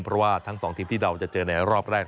เพราะว่าทั้งสองทีมที่เราจะเจอในรอบแรก